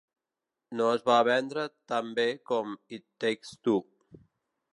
No es va vendre tan bé com "It Takes Two".